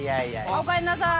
おかえりなさーい。